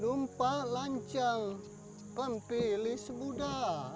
lumpa lancang pemilih semuda